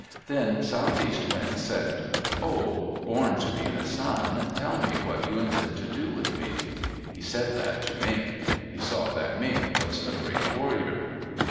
Then Southeast Wind said, "Oh, Born to be the Sun, tell me what you intend to do with me!" He said that to Mink. He saw that Mink was a great warrior.